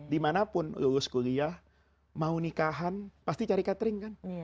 dimanapun lulus kuliah mau nikahan pasti cari catering kan